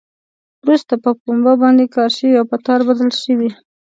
وروسته په پنبه باندې کار شوی او په تار بدل شوی.